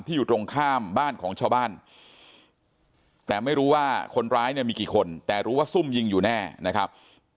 อยู่ตรงข้ามบ้านของชาวบ้านแต่ไม่รู้ว่าคนร้ายเนี่ยมีกี่คนแต่รู้ว่าซุ่มยิงอยู่แน่นะครับ